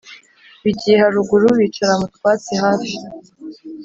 bigiye haruguru bicara mu twatsi hafi